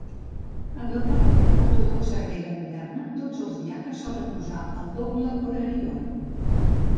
En la pràctica ortodoxa grega moderna, tots els diaques solen usar el doble orarion.